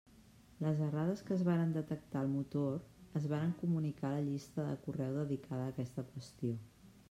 Les errades que es varen detectar al motor es varen comunicar a la llista de correu dedicada a aquesta qüestió.